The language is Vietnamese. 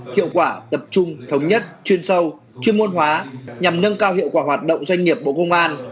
hiệu quả tập trung thống nhất chuyên sâu chuyên môn hóa nhằm nâng cao hiệu quả hoạt động doanh nghiệp bộ công an